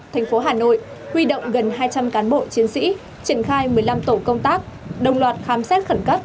thành phố hà nội huy động gần hai trăm linh cán bộ chiến sĩ triển khai một mươi năm tổ công tác đồng loạt khám xét khẩn cấp